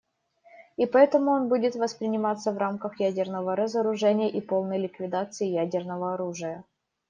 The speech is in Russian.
И поэтому он будет восприниматься в рамках ядерного разоружения и полной ликвидации ядерного оружия.